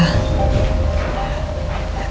tidak ada yang bisa diberikan